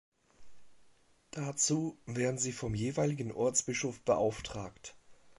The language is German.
Dazu werden sie vom jeweiligen Ortsbischof beauftragt.